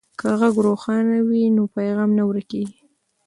که غږ روښانه وي نو پیغام نه ورکیږي.